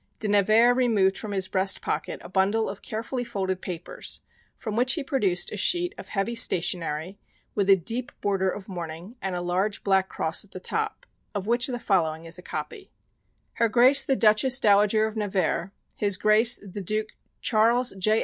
De Nevers removed from his breast pocket a bundle of carefully folded papers from which he produced a sheet of heavy stationery with a deep border of mourning and a large black cross at the top, of which the following is a copy: MM. Her Grace the Duchess Dowager of Nevers; his Grace the Duke Charles J.